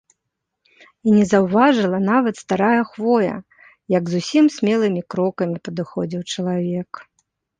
І не заўважыла нават старая хвоя, як зусім смелымі крокамі падыходзіў чалавек.